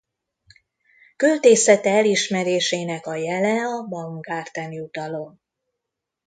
Költészete elismerésének a jele a Baumgarten-jutalom.